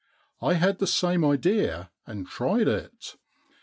I had the same idea and tried it.